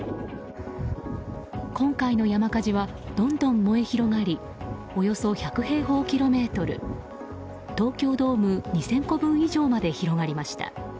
今回の山火事はどんどん燃え広がりおよそ１００平方キロメートル東京ドーム２０００個分以上まで広がりました。